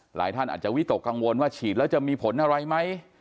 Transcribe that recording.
หลายท่านอาจจะวิตกกังวลว่าฉีดแล้วจะมีผลอะไรไหม